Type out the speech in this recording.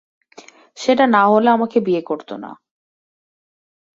সেটা না হলে আমাকে বিয়ে করতো না।